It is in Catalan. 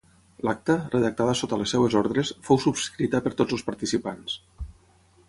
L'acta, redactada sota les seves ordres, fou subscrita per tots els participants.